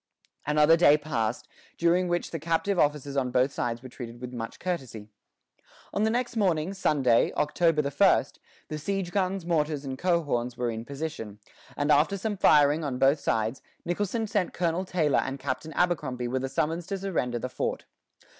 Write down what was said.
Another day passed, during which the captive officers on both sides were treated with much courtesy. On the next morning, Sunday, October 1, the siege guns, mortars, and coehorns were in position; and after some firing on both sides, Nicholson sent Colonel Tailor and Captain Abercrombie with a summons to surrender the fort.